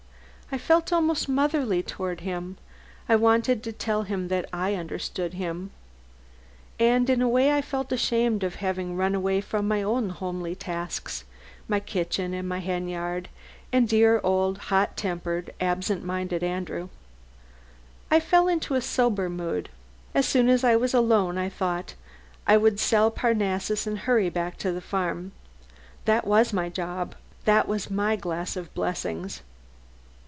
I felt almost motherly toward him: I wanted to tell him that I understood him. And in a way I felt ashamed of having run away from my own homely tasks, my kitchen and my hen yard and dear old, hot tempered, absent minded Andrew. I fell into a sober mood. As soon as I was alone, I thought, I would sell Parnassus and hurry back to the farm. That was my job, that was my glass of blessings.